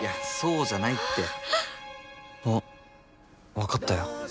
分かったよ。